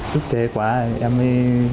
lúc thế quá em mới